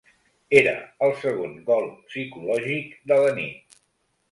Era el segon gol psicològic de la nit.